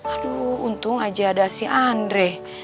aduh untung aja ada si andre